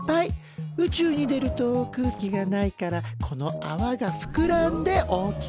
宇宙に出ると空気がないからこのあわがふくらんで大きくなるのね。